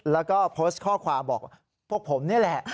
แล้วก็โพสต์ข้อความบอกพวกผมนี่แหละ